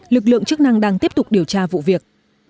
lực lượng chức năng đang tiếp tục điều tra vụ việc